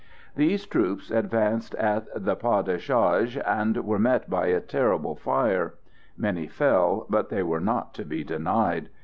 These troops advanced at the pas de charge, and were met by a terrible fire; many fell, but they were not to be denied.